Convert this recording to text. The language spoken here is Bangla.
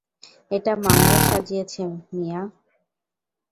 এটা মামলা সাজিয়েছ মিয়া!